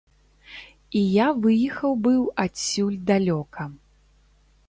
І я выехаў быў адсюль далёка.